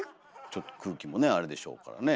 ちょっと空気もねあれでしょうからね